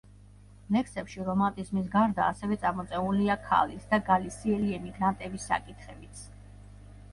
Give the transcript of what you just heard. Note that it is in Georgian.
ლექსებში რომანტიზმის გარდა ასევე წამოწეულია ქალის და გალისიელი ემიგრანტების საკითხებიც.